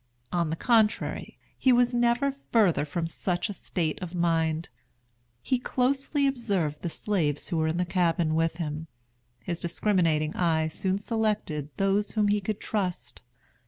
On the contrary, he was never further from such a state of mind. He closely observed the slaves who were in the cabin with him. His discriminating eye soon selected those whom he could trust.